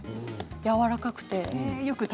やわらかくて。